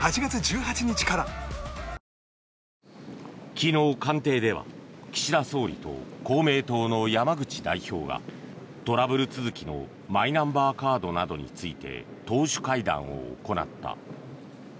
昨日、官邸では岸田総理と公明党の山口代表がトラブル続きのマイナンバーカードなどについて党首会談を行った。